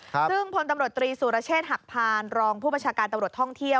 ซึ่งพนตศูลจเชฒหักพารรองผู้บัชการตำรวจท่องเที่ยว